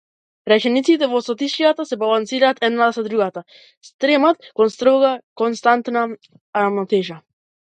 Речениците во состишјата се балансираат едната со другата, стремат кон строга, контрастна рамнотежа.